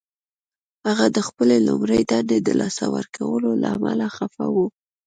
هغه د خپلې لومړۍ دندې د لاسه ورکولو له امله خفه و